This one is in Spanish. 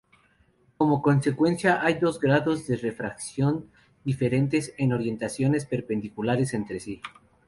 Como consecuencia, hay dos grados de refracción diferentes en orientaciones perpendiculares entre sí.